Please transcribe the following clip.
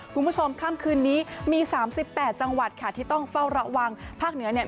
คุณผู้ชมค่ำคืนนี้มี๓๘จังหวัดค่ะที่ต้องเฝ้าระวังภาคเหนือเนี่ย